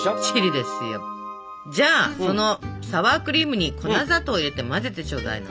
じゃあそのサワークリームに粉砂糖を入れて混ぜてちょうだいな。